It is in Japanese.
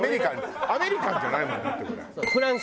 アメリカンじゃないもんだってこれ。